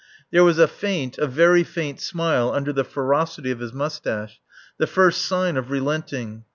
There was a faint, a very faint smile under the ferocity of his moustache, the first sign of relenting.